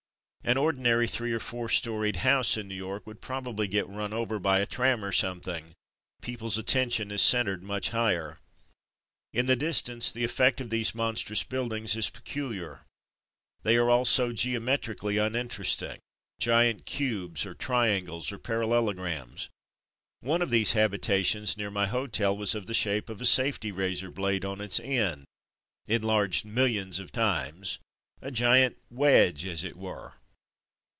An ordinary three or four storeyed house in New York would probably get run over by a tram or something; people's attention is centred much higher. In the distance the effect of these monstrous buildings is peculiar. They are all so geo metrically uninteresting. Giant cubes, or triangles, or parallelograms; one of these habitations near my hotel was of the shape of a safety razor blade on its end, enlarged New York 299 millions of times — a giant wedge, as it were.